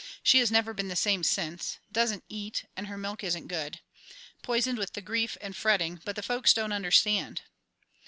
She has never been the same since; doesn't eat, and her milk isn't good. Poisoned with the grief and fretting, but the folks don't understand."